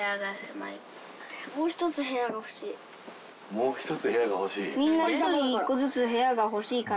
もう１つ部屋が欲しい？